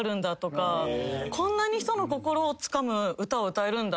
こんなに人の心をつかむ歌を歌えるんだとか。